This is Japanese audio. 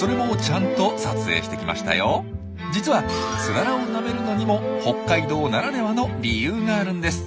実はツララをなめるのにも北海道ならではの理由があるんです。